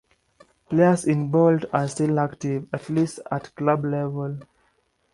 Players in bold are still active, at least at club level.